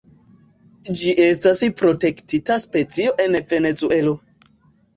Ĝi estas protektita specio en Venezuelo.